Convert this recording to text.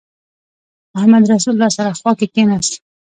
محمدرسول راسره خوا کې کېناست.